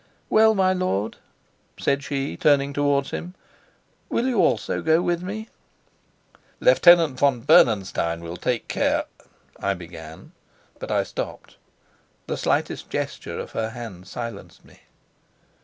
"Well, my lord," said she, turning towards him, "will you also go with me?" "Lieutenant von Bernenstein will take care " I began. But I stopped. The slightest gesture of her hand silenced me.